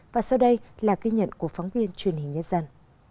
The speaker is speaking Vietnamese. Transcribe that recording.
và sau đây là ghi nhận của phóng viên truyền hình nhân dân